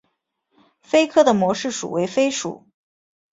鲱科的模式属为鲱属。